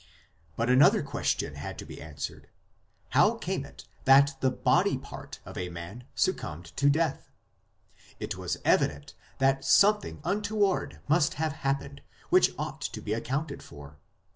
But another question had to be answered: how came it that the body part of man succumbed to death ? It was evident that something untoward must have happened which ought to be accounted for.